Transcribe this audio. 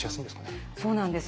そうなんです。